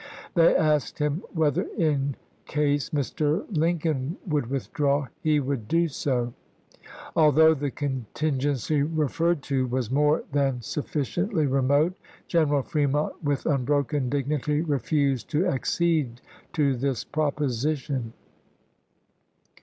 They asked him whether in case Mr. Lincoln would withdraw he would do so. Although the contingency referred to was more than sufficiently remote, General Fremont with unbroken dignity refused to accede to this . Aug. 25, proposition.